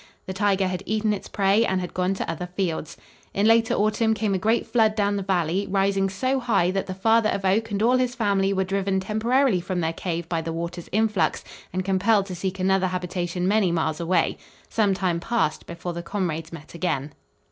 The tiger had eaten its prey and had gone to other fields. In later autumn came a great flood down the valley, rising so high that the father of Oak and all his family were driven temporarily from their cave by the water's influx and compelled to seek another habitation many miles away. Some time passed before the comrades met again.